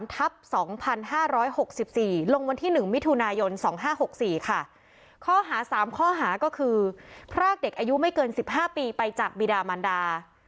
๕๓ทับ๒๕๖๔ลงวันที่๑มิถุนายน๒๕๖๔ค่ะข้อหา๓ข้อหาก็คือพรากเด็กอายุไม่เกิน๑๕ปีไปจากบิดามันดา